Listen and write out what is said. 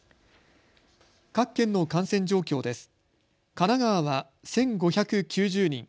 各県の感染状況です。